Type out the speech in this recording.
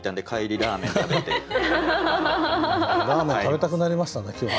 ラーメン食べたくなりましたね今日。